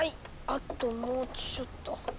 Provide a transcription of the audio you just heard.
あともうちょっと。